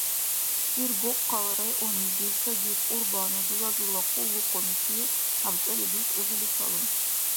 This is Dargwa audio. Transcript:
Сергокъалала районнизив Сагид Кьурбанов жура-журала къуллукъуначив хӀябцӀали дус узули калун.